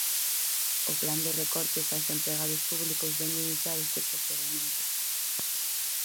O plan de recortes aos empregados públicos vén de iniciar este procedemento.